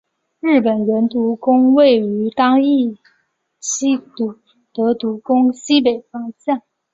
日木伦独宫位于当圪希德独宫西北方向。